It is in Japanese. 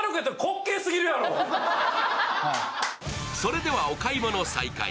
それではお買い物再開。